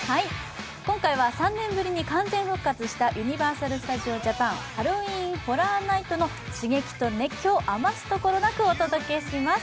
今回は３年ぶりに完全復活したユニバーサル・スタジオ・ジャパン・ハロウィーン・ホラー・ナイトの刺激と熱狂を余すところなくお届けします。